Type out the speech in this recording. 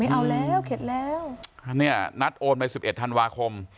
เอาแล้วเข็ดแล้วเนี่ยนัดโอนไปสิบเอ็ดธันวาคม